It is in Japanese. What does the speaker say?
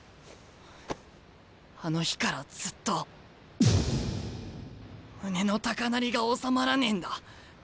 あの日からずっと胸の高鳴りが収まらねえんだ。